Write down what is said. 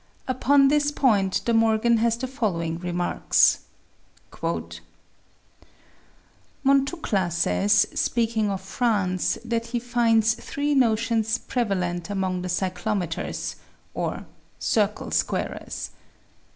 Upon this point De Mor gan has the following remarks :" Montucla says, speaking of France, that he finds three notions prevalent among the cyclometers [or circle squar ers]: i.